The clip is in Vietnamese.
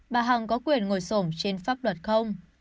bà hằng có quyền ngồi sổm trên pháp luật không